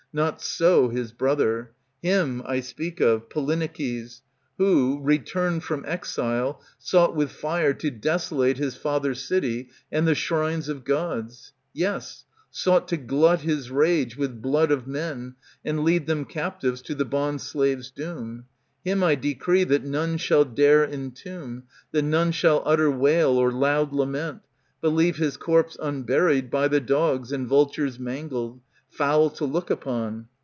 Not so his brother ; him I speak of, Polyneikes, who, returned From exile, sought with fire to desolate His father's city and the shrines of Gods, Yes, sought to glut his rage with blood of men. And lead them captives to the bondslave's doom ; Him I decree that none shall dare entomb. That none shall utter wail or loud lament. But leave his corpse unburied, by the dogs And vultures mangled, foul to look upon.